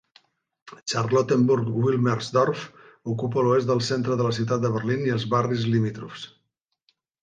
Charlottenburg-Wilmersdorf ocupa l'oest del centre de la ciutat de Berlín i els barris limítrofs.